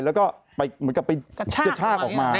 เหมือนกับไปชากออกมา